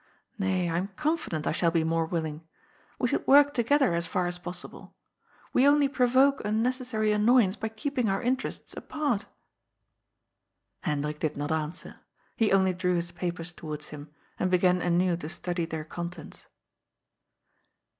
Nay, I am confident I shall be more willing. We should work together, as far as possible. We only provoke un necessary annoyance by keeping our interests apart." Hendrik did not answer. He only drew his papers towards him, and began anew to study their contents.